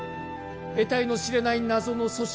えたいの知れない謎の組織